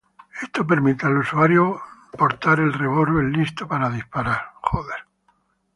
Esto permite al usuario portar el revólver listo para disparar.